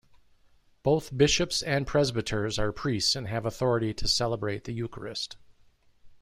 Both bishops and presbyters are priests and have authority to celebrate the Eucharist.